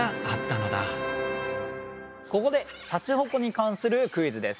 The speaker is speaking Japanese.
ここでシャチホコに関するクイズです。